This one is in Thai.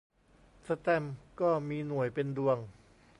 แสตมป์ก็มีหน่วยเป็นดวง